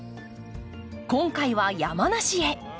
今回は山梨へ。